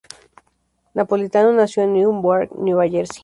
Napolitano nació en Newark, Nueva Jersey.